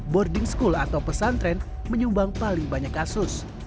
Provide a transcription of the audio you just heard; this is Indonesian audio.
boarding school atau pesantren menyumbang paling banyak kasus